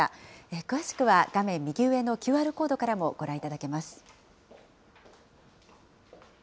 詳しくは画面右上のＱＲコードからもご覧いただけます。